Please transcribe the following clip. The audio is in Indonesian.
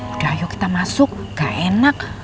udah ayo kita masuk gak enak